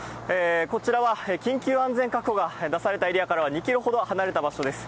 こちらは緊急安全確保が出されたエリアからは２キロほど離れた場所です。